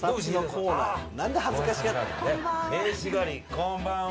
こんばんは。